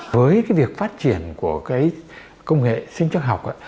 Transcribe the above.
với việc phát triển của công nghệ sinh chắc học